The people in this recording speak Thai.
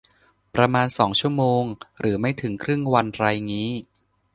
ประมาณสองชั่วโมงหรือไม่ถึงครึ่งวันไรงี้